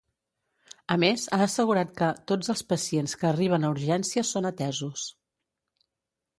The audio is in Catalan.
A més, ha assegurat que “tots els pacients que arriben a urgències són atesos”.